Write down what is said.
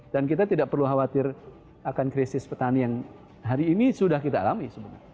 dan kita tidak perlu khawatir akan krisis petani yang hari ini sudah kita alami